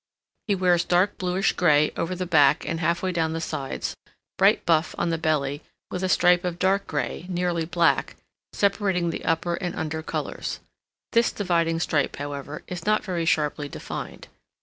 He wears dark bluish gray over the back and half way down the sides, bright buff on the belly, with a stripe of dark gray, nearly black, separating the upper and under colors; this dividing stripe, however, is not very sharply defined.